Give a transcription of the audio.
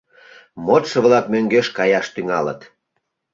Модшо-влак мӧҥгеш каяш тӱҥалыт.